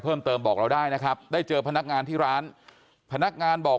เพิ่มเติมบอกเราได้นะครับได้เจอพนักงานที่ร้านพนักงานบอก